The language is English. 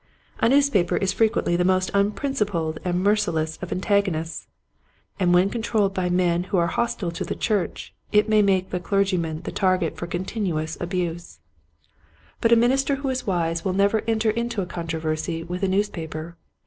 A newspaper is frequently the most unprincipled and merciless of antag onists, and when controlled by men who are hostile to the church it may make the clergyman the target for continuous abuse ; but a minister who is wise will never enter Clerical Hamlets. 71 into a controversy with a newspaper.